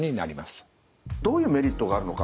どういうメリットがあるのか